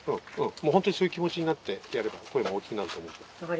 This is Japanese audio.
もう本当にそういう気持ちになってやれば声も大きくなると思うから。